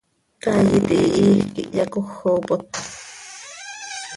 Caay iti hihiij quih hyacójopot.